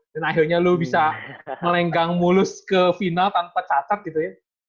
dan akhirnya lo bisa melenggang mulus ke final tanpa catat gitu ya